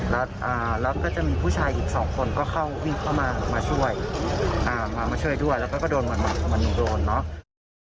แล้วก็จะมีผู้ชายอีกสองคนก็เข้าวิ่งเข้ามามาช่วยมามาช่วยด้วยแล้วก็โดนเนาะ